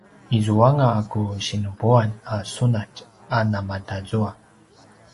izuanga a ku sinupuan a sunatj a namatazua